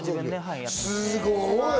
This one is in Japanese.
すごい。